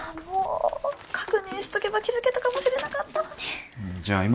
もう確認しとけば気づけたかもしれなかったのにじゃ